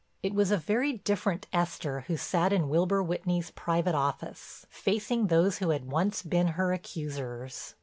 It was a very different Esther who sat in Wilbur Whitney's private office, facing those who had once been her accusers.